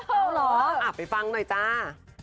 เอาเหรอไปฟังหน่อยจ้า